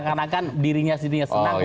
karena kan dirinya sendiri senang